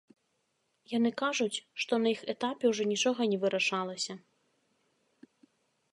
Яны кажуць, што на іх этапе ўжо нічога не вырашалася.